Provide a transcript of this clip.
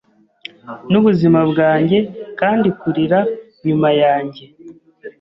Nubuzima bwanjye kandikurira nyuma yanjye